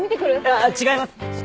あっ違います！